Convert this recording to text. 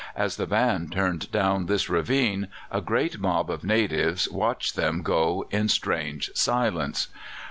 As the van turned down this ravine a great mob of natives watched them go in a strange silence.